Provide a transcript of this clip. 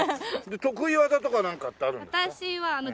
得意技とかなんかってあるんですか？